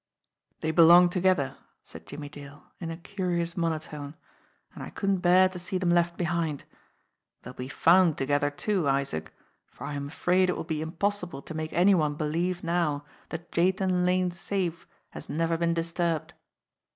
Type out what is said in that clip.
"They belong together," said Jimmie Dale, in a curious monotone, "and I couldn't bear to see them left behind. They'll be found together too, Isaac, for I am afraid it will be impossible to make any one believe now that Jathan Lane's safe has never been disturbed."